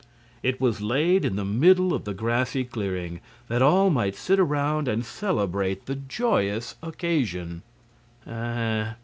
It was laid in the middle of the grassy clearing, that all might sit around and celebrate the joyous occasion.